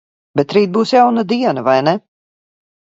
Bet rīt būs jauna diena, vai ne?